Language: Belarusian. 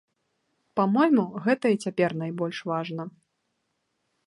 Па-мойму, гэта і цяпер найбольш важна.